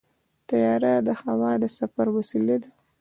طیاره د هوا د سفر وسیله ده.